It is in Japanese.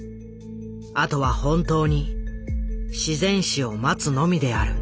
後は本当に『自然死』を待つのみである」。